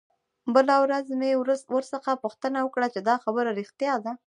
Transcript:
بله ورځ مې ورڅخه پوښتنه وکړه چې دا خبره رښتيا ده.